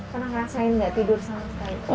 pernah ngerasain enggak tidur selama sehari